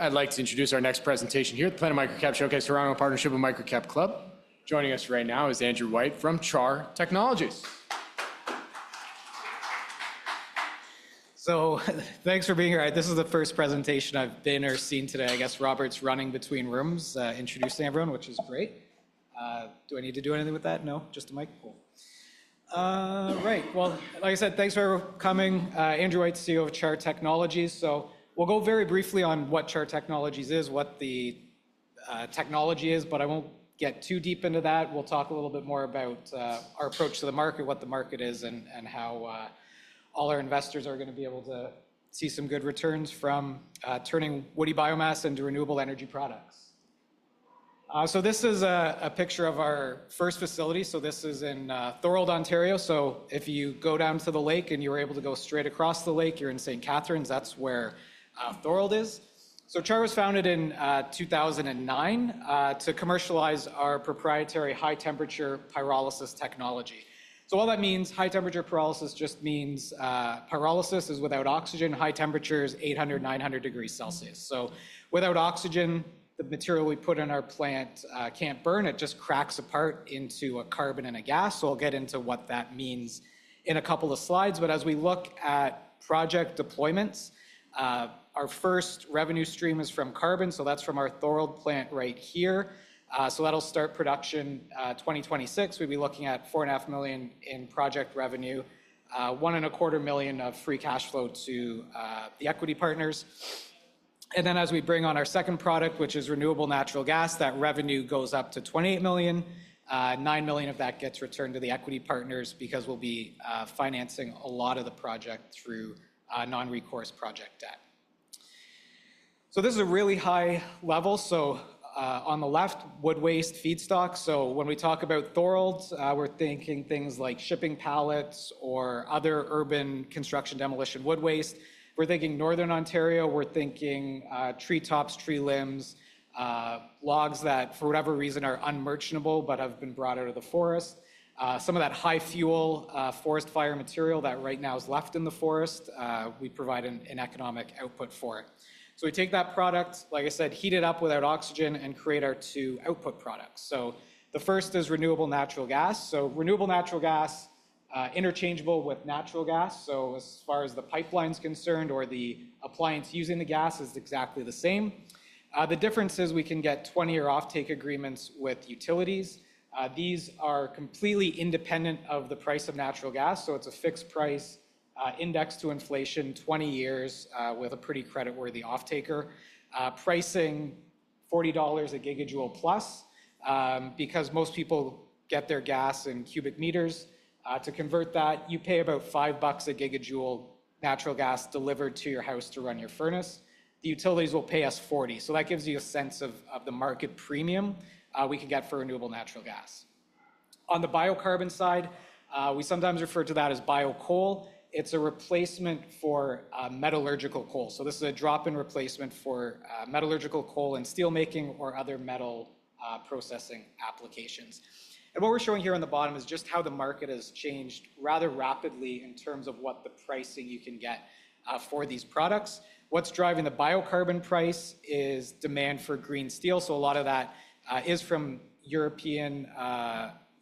I'd like to introduce our next presentation here at the Planet MicroCap Showcase Toronto, in partnership with MicroCap Club. Joining us right now is Andrew White from CHAR Technologies. Thanks for being here. This is the first presentation I've been or seen today. I guess Robert's running between rooms, introducing everyone, which is great. Do I need to do anything with that? No. Just the mic? Cool. Right. Well, like I said, thanks for coming. Andrew White, CEO of CHAR Technologies. We'll go very briefly on what CHAR Technologies is, what the technology is, but I won't get too deep into that. We'll talk a little bit more about our approach to the market, what the market is, and how all our investors are going to be able to see some good returns from turning woody biomass into renewable energy products. This is a picture of our first facility. This is in Thorold, Ontario. If you go down to the lake and you're able to go straight across the lake, you're in St. Catharines. That's where Thorold is, so CHAR was founded in 2009 to commercialize our proprietary high-temperature pyrolysis technology, so all that means, high-temperature pyrolysis just means pyrolysis is without oxygen. High temperature is 800-900 degrees Celsius, so without oxygen, the material we put in our plant can't burn. It just cracks apart into carbon and a gas, so we'll get into what that means in a couple of slides, but as we look at project deployments, our first revenue stream is from carbon, so that's from our Thorold plant right here, so that'll start production 2026. We'll be looking at 4.5 million in project revenue, 1.25 million of free cash flow to the equity partners, and then as we bring on our second product, which is renewable natural gas, that revenue goes up to 28 million. Nine million of that gets returned to the equity partners because we'll be financing a lot of the project through non-recourse project debt. So this is a really high level. So on the left, wood waste feedstock. So when we talk about Thorold, we're thinking things like shipping pallets or other urban construction demolition wood waste. We're thinking Northern Ontario. We're thinking tree tops, tree limbs, logs that for whatever reason are unmerchantable but have been brought out of the forest. Some of that high-fuel forest fire material that right now is left in the forest, we provide an economic output for it. So we take that product, like I said, heat it up without oxygen and create our two output products. So the first is renewable natural gas. So renewable natural gas is interchangeable with natural gas. So as far as the pipeline's concerned, or the appliance using the gas, is exactly the same. The difference is we can get 20-year offtake agreements with utilities. These are completely independent of the price of natural gas. So it's a fixed price indexed to inflation 20 years with a pretty creditworthy off-taker. Pricing 40 dollars a gigajoule plus, because most people get their gas in cubic meters. To convert that, you pay about five bucks a gigajoule natural gas delivered to your house to run your furnace. The utilities will pay us 40. So that gives you a sense of the market premium we can get for renewable natural gas. On the biocarbon side, we sometimes refer to that as biocoal. It's a replacement for metallurgical coal. So this is a drop-in replacement for metallurgical coal and steelmaking or other metal processing applications. And what we're showing here on the bottom is just how the market has changed rather rapidly in terms of what the pricing you can get for these products. What's driving the biocarbon price is demand for green steel. So a lot of that is from European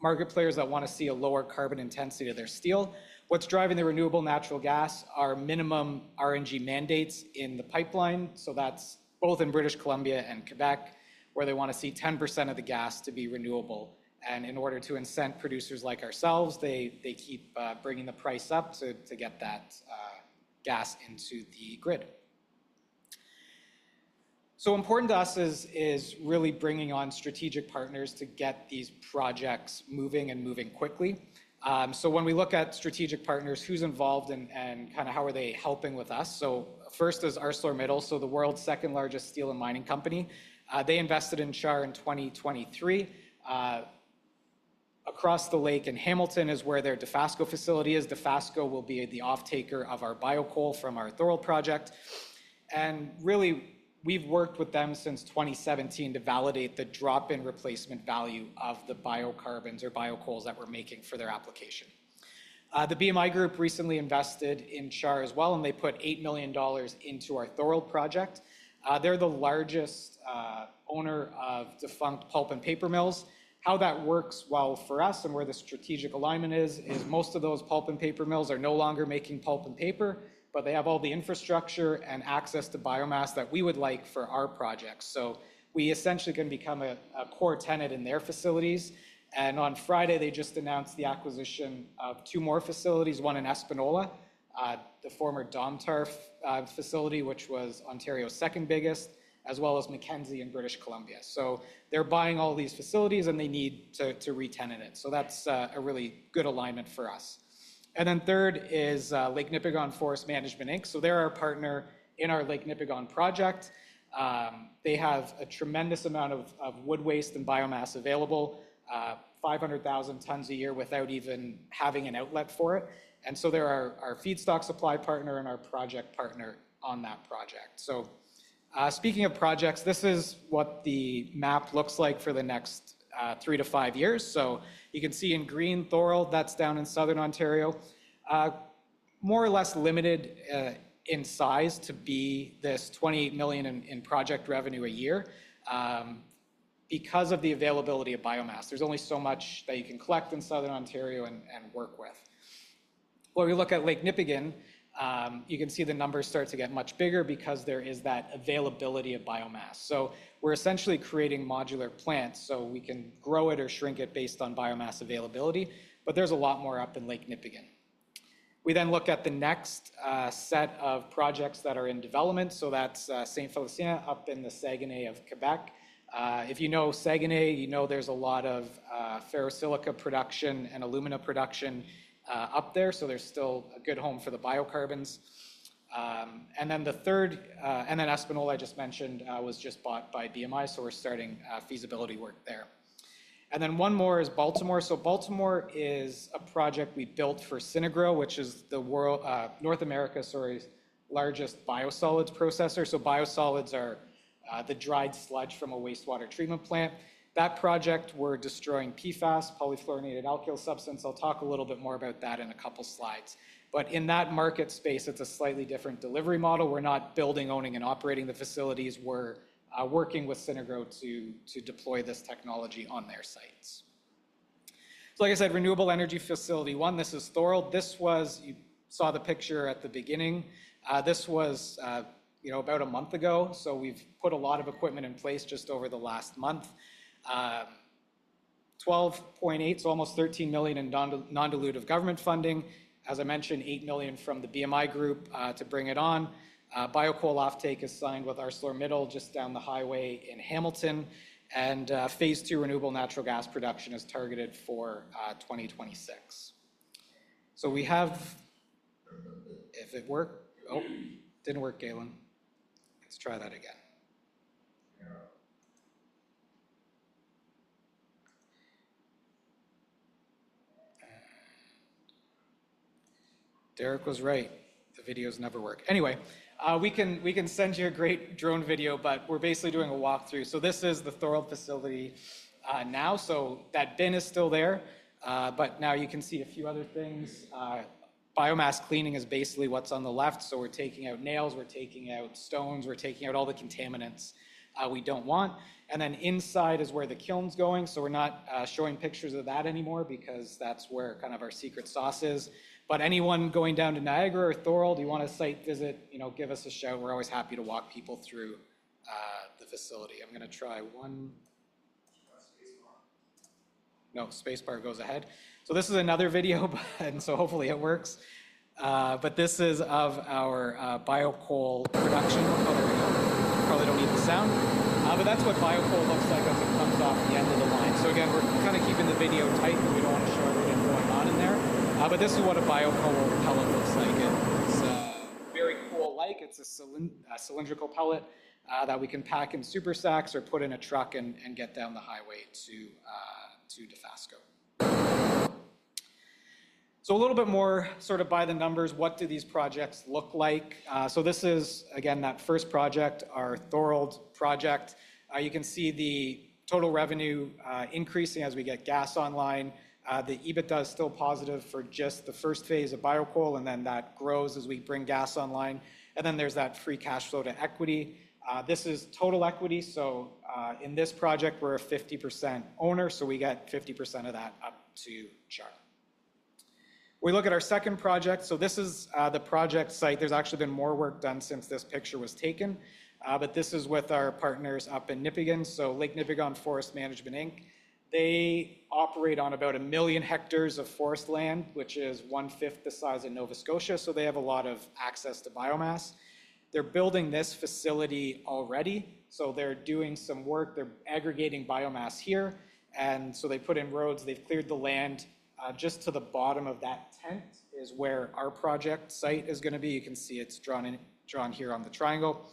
market players that want to see a lower carbon intensity of their steel. What's driving the renewable natural gas are minimum RNG mandates in the pipeline. So that's both in British Columbia and Quebec, where they want to see 10% of the gas to be renewable. And in order to incent producers like ourselves, they keep bringing the price up to get that gas into the grid. So important to us is really bringing on strategic partners to get these projects moving and moving quickly. So when we look at strategic partners, who's involved and kind of how are they helping with us? So first is ArcelorMittal, so the world's second largest steel and mining company. They invested in CHAR in 2023. Across the lake in Hamilton is where their Dofasco facility is. Dofasco will be the offtaker of our biocoal from our Thorold project. And really, we've worked with them since 2017 to validate the drop-in replacement value of the biocarbons or biocoals that we're making for their application. The BMI Group recently invested in CHAR as well, and they put 8 million dollars into our Thorold project. They're the largest owner of defunct pulp and paper mills. How that works well for us and where the strategic alignment is, is most of those pulp and paper mills are no longer making pulp and paper, but they have all the infrastructure and access to biomass that we would like for our projects. So we essentially can become a core tenant in their facilities. On Friday, they just announced the acquisition of two more facilities, one in Espanola, the former Domtar facility, which was Ontario's second biggest, as well as Mackenzie in British Columbia. They're buying all these facilities, and they need to re-tenant it. That's a really good alignment for us. Third is Lake Nipigon Forest Management Inc. They're our partner in our Lake Nipigon project. They have a tremendous amount of wood waste and biomass available, 500,000 tons a year without even having an outlet for it. They're our feedstock supply partner and our project partner on that project. Speaking of projects, this is what the map looks like for the next three to five years. You can see in green Thorold, that's down in southern Ontario, more or less limited in size to be this 28 million in project revenue a year because of the availability of biomass. There's only so much that you can collect in southern Ontario and work with. When we look at Lake Nipigon, you can see the numbers start to get much bigger because there is that availability of biomass. So we're essentially creating modular plants so we can grow it or shrink it based on biomass availability. But there's a lot more up in Lake Nipigon. We then look at the next set of projects that are in development. So that's Saint-Félicien up in the Saguenay of Quebec. If you know Saguenay, you know there's a lot of ferrosilicon production and alumina production up there. So there's still a good home for the biocarbons. And then the third, and then Espanola, I just mentioned, was just bought by BMI. We're starting feasibility work there. One more is Baltimore. Baltimore is a project we built for Synagro, which is North America's largest biosolids processor. Biosolids are the dried sludge from a wastewater treatment plant. That project, we're destroying PFAS, per- and polyfluoroalkyl substances. I'll talk a little bit more about that in a couple of slides. In that market space, it's a slightly different delivery model. We're not building, owning, and operating the facilities. We're working with Synagro to deploy this technology on their sites. Like I said, renewable energy facility one, this is Thorold. This was, you saw the picture at the beginning. This was about a month ago. We've put a lot of equipment in place just over the last month. million, so almost 13 million in non-dilutive government funding. As I mentioned, 8 million from the BMI Group to bring it on biocoal offtake is signed with ArcelorMittal just down the highway in Hamilton. Phase two renewable natural gas production is targeted for 2026. We have, if it worked. Oh, didn't work, Galen. Let's try that again. Derek was right. The videos never work. Anyway, we can send you a great drone video, but we're basically doing a walkthrough. This is the Thorold facility now. That bin is still there. But now you can see a few other things. Biomass cleaning is basically what's on the left. We're taking out nails. We're taking out stones. We're taking out all the contaminants we don't want. Then inside is where the kiln's going. We're not showing pictures of that anymore because that's where kind of our secret sauce is. Anyone going down to Niagara or Thorold, you want a site visit, give us a shout. We're always happy to walk people through the facility. I'm going to try one. No, Spacebar goes ahead. This is another video, and so hopefully it works. This is of our biocoal production. Probably don't need the sound. That's what biocoal looks like as it comes off the end of the line. Again, we're kind of keeping the video tight because we don't want to show everything going on in there. This is what a biocoal pellet looks like. It's a very cool like. It's a cylindrical pellet that we can pack in super sacks or put in a truck and get down the highway to Dofasco. So a little bit more sort of by the numbers, what do these projects look like? This is, again, that first project, our Thorold project. You can see the total revenue increasing as we get gas online. The EBITDA is still positive for just the first phase of biocoal, and then that grows as we bring gas online. And then there's that free cash flow to equity. This is total equity. So in this project, we're a 50% owner. So we get 50% of that up to CHAR. We look at our second project. So this is the project site. There's actually been more work done since this picture was taken. But this is with our partners up in Nipigon. So Lake Nipigon Forest Management Inc., they operate on about a million hectares of forest land, which is one-fifth the size of Nova Scotia. So they have a lot of access to biomass. They're building this facility already. So they're doing some work. They're aggregating biomass here. And so they put in roads. They've cleared the land. Just to the bottom of that tent is where our project site is going to be. You can see it's drawn here on the triangle.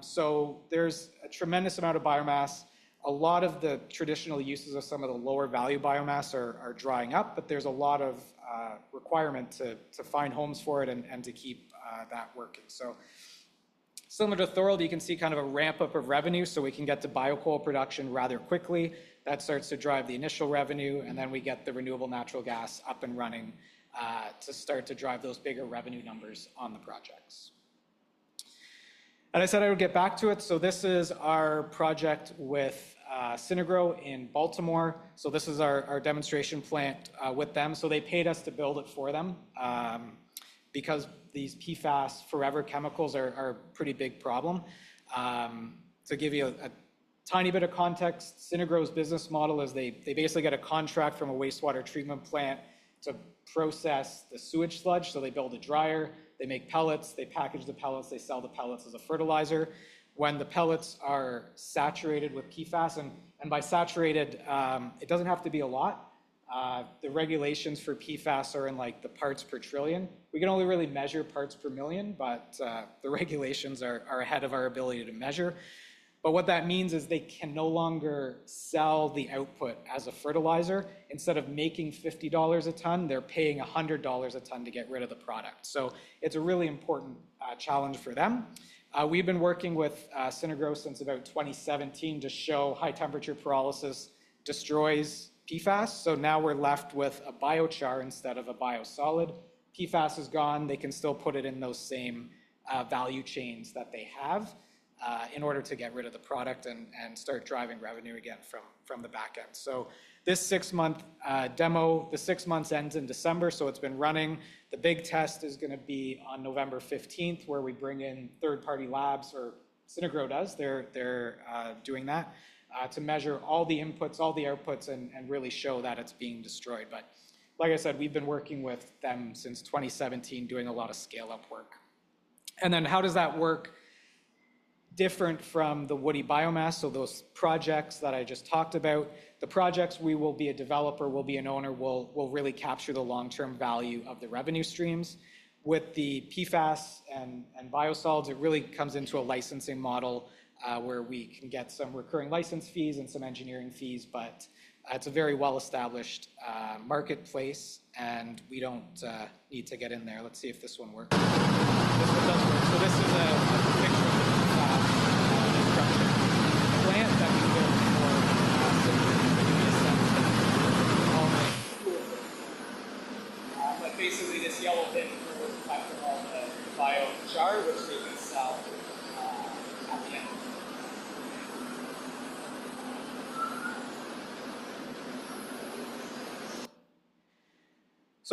So there's a tremendous amount of biomass. A lot of the traditional uses of some of the lower value biomass are drying up, but there's a lot of requirement to find homes for it and to keep that working. So similar to Thorold, you can see kind of a ramp-up of revenue. So we can get to biocoal production rather quickly. That starts to drive the initial revenue. And then we get the renewable natural gas up and running to start to drive those bigger revenue numbers on the projects. I said I would get back to it. This is our project with Synagro in Baltimore. This is our demonstration plant with them. They paid us to build it for them because these PFAS forever chemicals are a pretty big problem. To give you a tiny bit of context, Synagro's business model is they basically get a contract from a wastewater treatment plant to process the sewage sludge. They build a dryer. They make pellets. They package the pellets. They sell the pellets as a fertilizer. When the pellets are saturated with PFAS, and by saturated, it doesn't have to be a lot. The regulations for PFAS are in the parts per trillion. We can only really measure parts per million, but the regulations are ahead of our ability to measure. But what that means is they can no longer sell the output as a fertilizer. Instead of making $50 a ton, they're paying $100 a ton to get rid of the product. So it's a really important challenge for them. We've been working with Synagro since about 2017 to show high temperature pyrolysis destroys PFAS. So now we're left with a biochar instead of a biosolid. PFAS is gone. They can still put it in those same value chains that they have in order to get rid of the product and start driving revenue again from the back end. So this six-month demo, the six months ends in December. So it's been running. The big test is going to be on November 15th, where we bring in third-party labs, or Synagro does. They're doing that to measure all the inputs, all the outputs, and really show that it's being destroyed. But like I said, we've been working with them since 2017, doing a lot of scale-up work. And then how does that work different from the woody biomass? So those projects that I just talked about, the projects we will be a developer, we'll be an owner, we'll really capture the long-term value of the revenue streams. With the PFAS and biosolids, it really comes into a licensing model where we can get some recurring license fees and some engineering fees. But it's a very well-established marketplace, and we don't need to get in there. Let's see if this one works. This one does work. So this is a picture of the structure of the plant that we built for Synagro for the recent. But basically, this yellow bin is where we're collecting all the biochar, which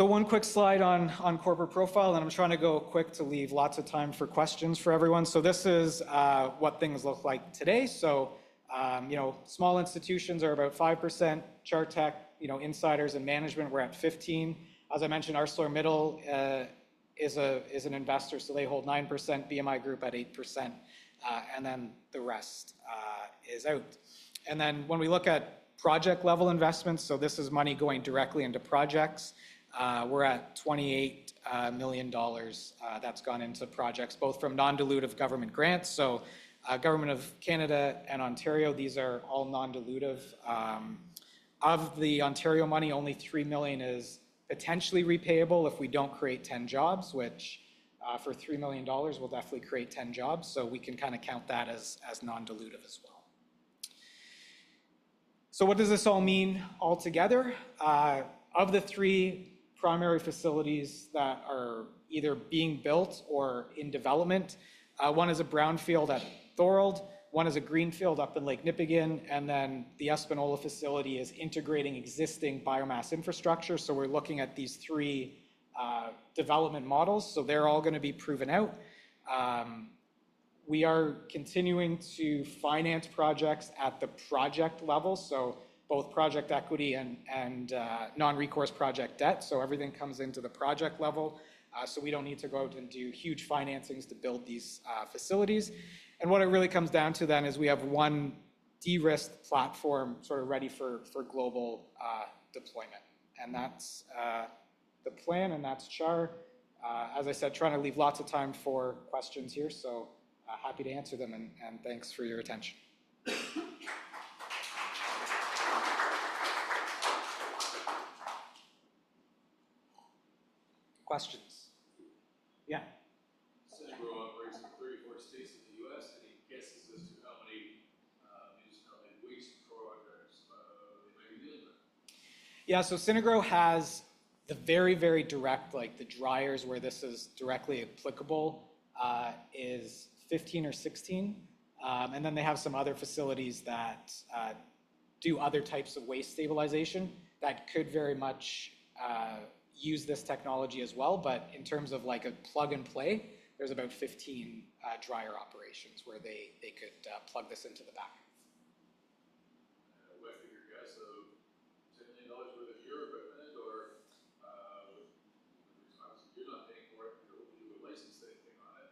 we can sell at the end of the day. One quick slide on corporate profile, and I'm trying to go quick to leave lots of time for questions for everyone. This is what things look like today. Small institutions are about 5%, CHAR Technologies, insiders, and management; we're at 15%. As I mentioned, ArcelorMittal is an investor. They hold 9%, BMI Group at 8%. The rest is out. When we look at project-level investments, this is money going directly into projects. We're at 28 million dollars that's gone into projects, both from non-dilutive government grants. Government of Canada and Government of Ontario, these are all non-dilutive. Of the Ontario money, only 3 million is potentially repayable if we don't create 10 jobs, which for 3 million dollars, we'll definitely create 10 jobs. We can kind of count that as non-dilutive as well. What does this all mean altogether? Of the three primary facilities that are either being built or in development, one is a brownfield at Thorold, one is a greenfield up in Lake Nipigon, and then the Espanola facility is integrating existing biomass infrastructure. So we're looking at these three development models. So they're all going to be proven out. We are continuing to finance projects at the project level. So both project equity and non-recourse project debt. So everything comes into the project level. So we don't need to go out and do huge financings to build these facilities. And what it really comes down to then is we have one de-risk platform sort of ready for global deployment. And that's the plan, and that's CHAR. As I said, trying to leave lots of time for questions here. So happy to answer them, and thanks for your attention. Questions? Yeah. Synagro operates in 34 states in the U.S., and he guesses as to how many municipalities weeks before they might be dealing with. Yeah, so Synagro has the very, very direct, like the dryers where this is directly applicable is 15 or 16. And then they have some other facilities that do other types of waste stabilization that could very much use this technology as well. But in terms of a plug and play, there's about 15 dryer operations where they could plug this into the back. What you guys, so $10 million worth of your equipment, or with the response of you're not paying for it, but you're hoping you would license anything on it.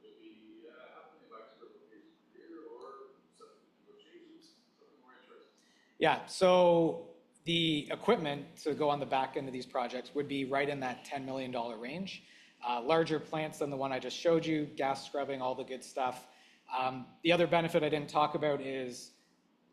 Would it be $500,000 per location per year, or something with changes, something more interesting? Yeah, so the equipment to go on the back end of these projects would be right in that 10 million dollar range. Larger plants than the one I just showed you, gas scrubbing, all the good stuff. The other benefit I didn't talk about is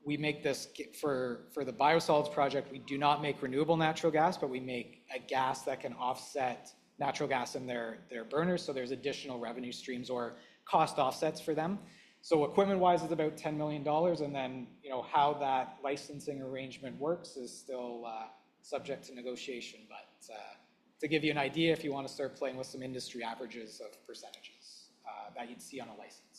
we make this for the biosolids project. We do not make renewable natural gas, but we make a gas that can offset natural gas in their burners. So there's additional revenue streams or cost offsets for them. So equipment-wise, it's about 10 million dollars. And then how that licensing arrangement works is still subject to negotiation. But to give you an idea, if you want to start playing with some industry averages of percentages that you'd see on a license.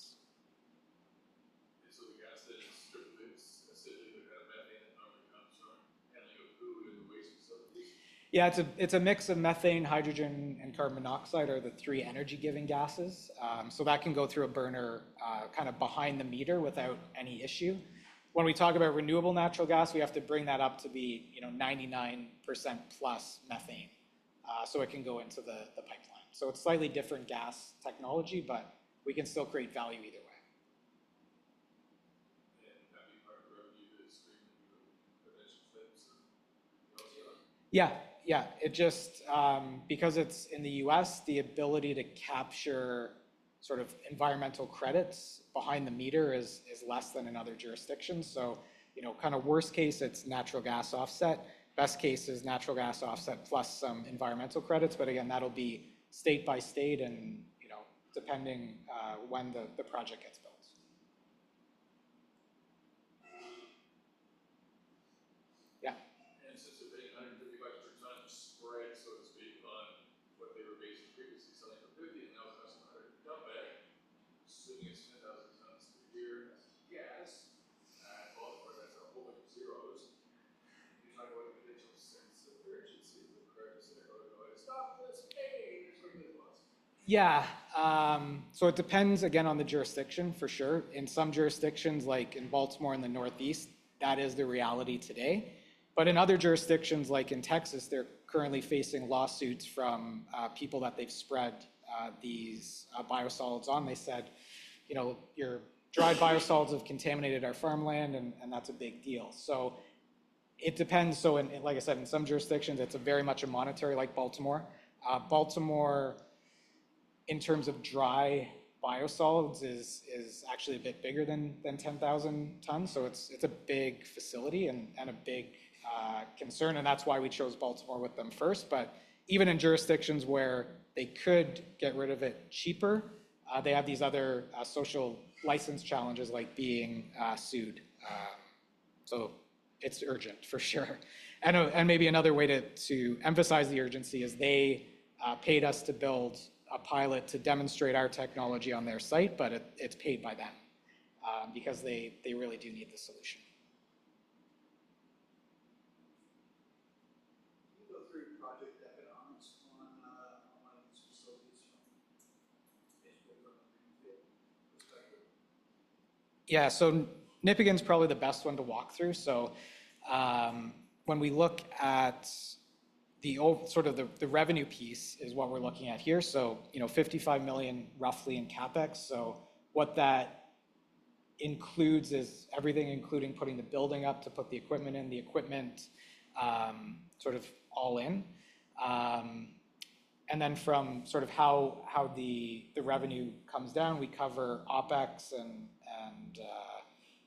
And so the gas that it's stripped of its acidity, the kind of methane and carbon dioxide handling of food and waste and stuff like this? Yeah, it's a mix of methane, hydrogen, and carbon monoxide are the three energy-giving gases. So that can go through a burner kind of behind the meter without any issue. When we talk about renewable natural gas, we have to bring that up to be 99% plus methane. So it can go into the pipeline. So it's slightly different gas technology, but we can still create value either way. And that'd be part of the revenue that it's generating for the eventual facility and what else? Yeah, yeah. Because it's in the U.S., the ability to capture sort of environmental credits behind the meter is less than in other jurisdictions. So kind of worst case, it's natural gas offset. Best case is natural gas offset plus some environmental credits. But again, that'll be state by state and depending when the project gets built. Yeah. It's just a big $150 per ton of spread, so to speak, on what they were basing previously selling for $50, and now it's costing $100. Dump it, assuming it's 10,000 tons per year as a guess, and both of our sites are holding zeros. You're talking about the potential sense of urgency with regard to Synagro going, "Stop this pain," or something like that. Yeah. It depends again on the jurisdiction, for sure. In some jurisdictions, like in Baltimore in the Northeast, that is the reality today. In other jurisdictions, like in Texas, they're currently facing lawsuits from people that they've spread these biosolids on. They said, "Your dried biosolids have contaminated our farmland, and that's a big deal." It depends. Like I said, in some jurisdictions, it's very much a monetary like Baltimore. Baltimore, in terms of dry biosolids, is actually a bit bigger than 10,000 tons. So it's a big facility and a big concern. And that's why we chose Baltimore with them first. But even in jurisdictions where they could get rid of it cheaper, they have these other social license challenges like being sued. So it's urgent, for sure. And maybe another way to emphasize the urgency is they paid us to build a pilot to demonstrate our technology on their site, but it's paid by them because they really do need the solution. Can you go through project economics on one of these facilities from a greenfield perspective? Yeah. So Nipigon's probably the best one to walk through. So when we look at the revenue piece is what we're looking at here. So 55 million, roughly, in CapEx. What that includes is everything, including putting the building up to put the equipment in, the equipment sort of all in. Then from sort of how the revenue comes down, we cover OpEx and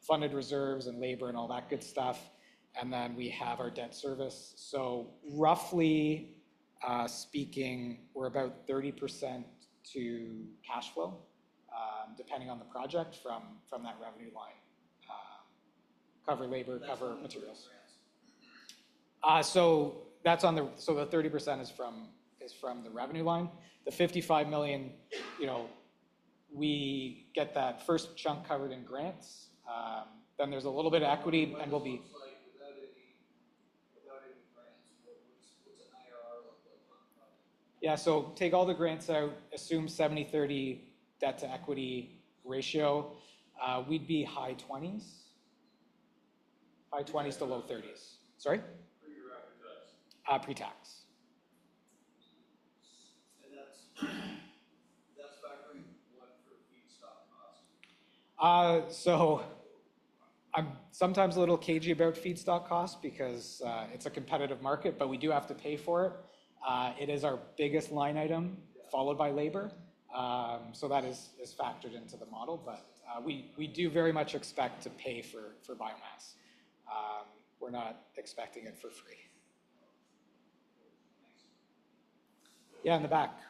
funded reserves and labor and all that good stuff. Then we have our debt service. Roughly speaking, we're about 30% to cash flow, depending on the project from that revenue line. Cover labor, cover materials. That's the 30% is from the revenue line. The 55 million, we get that first chunk covered in grants. Then there's a little bit of equity, and we'll be. Without any grants, what's an IRR on the one project? Yeah. Take all the grants, assume 70/30 debt to equity ratio. We'd be high 20s% to low 30s%. Sorry? Pre-tax. That's factoring what for feedstock costs? So I'm sometimes a little cagey about feedstock costs because it's a competitive market, but we do have to pay for it. It is our biggest line item, followed by labor. So that is factored into the model. But we do very much expect to pay for biomass. We're not expecting it for free. Yeah, in the back. With the Lake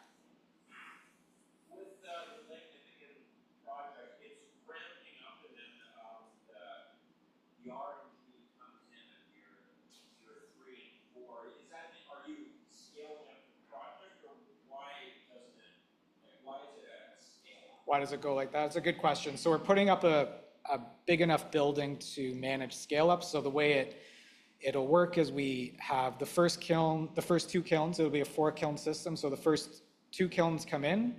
Nipigon project, it's ramping up, and then the RNG comes in at year three and four. Are you scaling up the project, or why is it a scale-up? Why does it go like that? That's a good question. So we're putting up a big enough building to manage scale-ups. So the way it'll work is we have the first two kilns. It'll be a four-kiln system. So the first two kilns come in.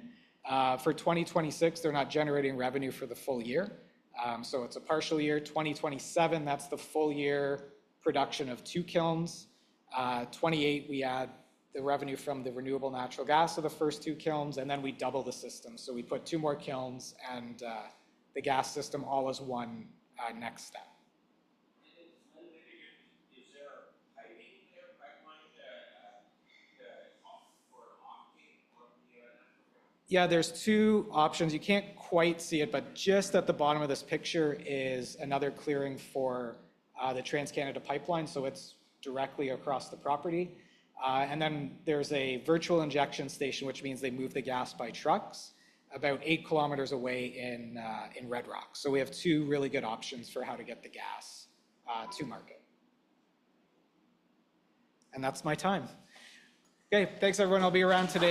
For 2026, they're not generating revenue for the full year. So it's a partial year. 2027, that's the full year production of two kilns. 2028, we add the revenue from the renewable natural gas of the first two kilns, and then we double the system. So we put two more kilns and the gas system all as one next step. Is there a piping there? Pipeline, the offer for offtake, what we have? Yeah, there's two options. You can't quite see it, but just at the bottom of this picture is another clearing for the TransCanada Pipeline. So it's directly across the property. And then there's a virtual injection station, which means they move the gas by trucks about eight kilometers away in Red Rock. So we have two really good options for how to get the gas to market. And that's my time. Okay. Thanks, everyone. I'll be around.